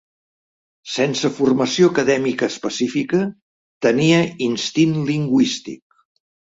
Sense formació acadèmica específica, tenia instint lingüístic.